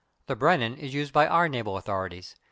The Brennan is used by our naval authorities.